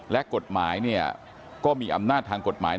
และกฎหมายเนี่ยก็มีอำนาจทางกฎหมาย